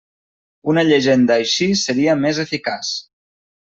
Una llegenda així seria més eficaç.